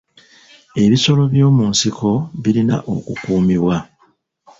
Ebisolo by'omu nsiko birina okukuumibwa.